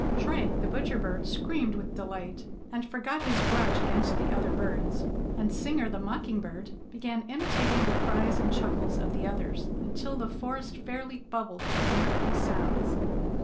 Shrike the Butcher Bird screamed with delight, and forgot his grudge against the other birds, and Singer the Mocking Bird began imitating the cries and chuckles of the others until the forest fairly bubbled with mirthful sounds.